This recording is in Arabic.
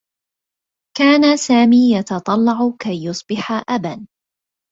كان سامي يتطلّع كي يصبح أبا.